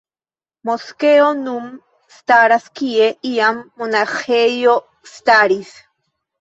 Moskeo nun staras kie iam monaĥejo staris.